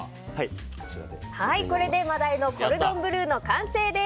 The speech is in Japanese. これで真鯛のコルドンブルーの完成です。